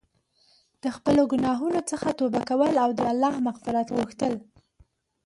د خپلو ګناهونو څخه توبه کول او د الله مغفرت غوښتل.